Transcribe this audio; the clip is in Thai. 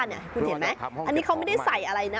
นี่คุณเห็นไหมอันนี้เขาไม่ได้ใส่อะไรนะ